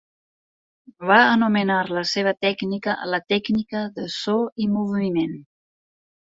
Va anomenar la seva tècnica la tècnica de "so i moviment".